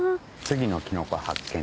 次のキノコ発見。